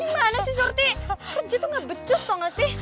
gimana sih surti kerja tuh gak becus tau gak sih